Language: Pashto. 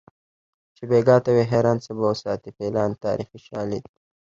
چې بیګا ته وي حیران څه به وساتي فیلان تاریخي شالید لري